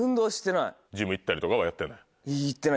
ジム行ったりとかはやってない？